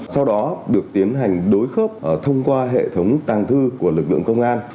sau đó được tiến hành đối khớp thông qua hệ thống tàng thư của lực lượng công an